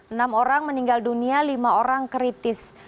enam orang meninggal dunia lima orang kritis